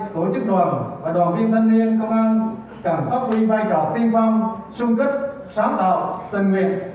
tổ chức đoàn và đoàn viên thanh niên công an cần phát huy vai trò tiên phong sung kích sáng tạo tình nguyện